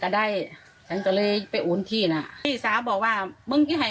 ได้ฉันก็เลยไปโอนที่น่ะพี่สาวบอกว่ามึงจะให้